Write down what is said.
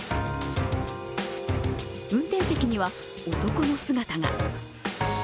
運転席には男の姿が。